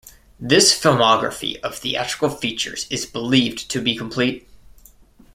This filmography of theatrical features is believed to be complete.